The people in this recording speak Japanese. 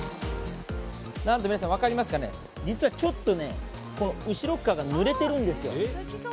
皆さん、分かりますかね、実はちょっとね、この後ろ側がぬれてるんですよ。